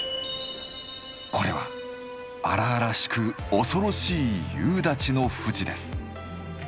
これは荒々しく恐ろしい夕立の富士です。